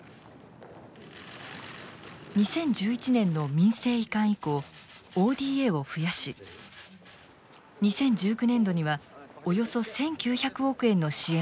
２０１１年の民政移管以降ＯＤＡを増やし２０１９年度にはおよそ１，９００億円の支援を行ってきました。